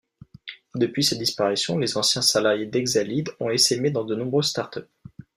Depuis cette disparition, les anciens salariés d'Exalead ont essaimé dans de nombreuses startups.